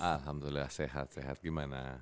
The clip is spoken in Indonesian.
alhamdulillah sehat sehat gimana